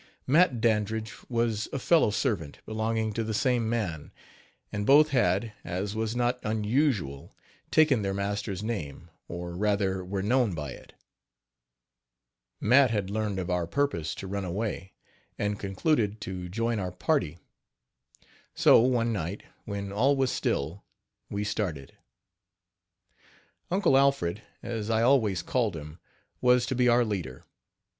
Matt Dandridge was a fellow servant, belonging to the same man, and both had, as was not unusual, taken their master's name, or, rather, were known by it. Matt had learned of our purpose to run away, and concluded to join our party. So one night, when all was still, we started. Uncle Alfred, as I always called him, was to be our leader.